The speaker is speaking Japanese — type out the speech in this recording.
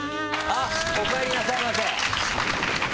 あっおかえりなさいませ。